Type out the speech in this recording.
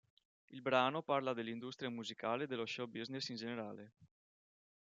Il brano parla dell'industria musicale e dello show business in generale.